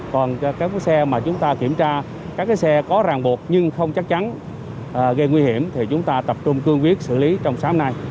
còn các xe mà chúng ta kiểm tra các xe có ràng buộc nhưng không chắc chắn gây nguy hiểm thì chúng ta tập trung cương quyết xử lý trong sáng nay